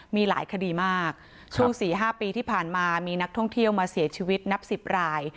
มีหลายคดีมากช่วง๔๕ปีที่ผ่านมามีนักท่องเที่ยวมาเสียชีวิตนับ๑๐ราย